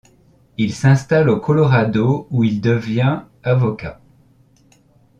Il s'installe au Colorado où il devient avocat.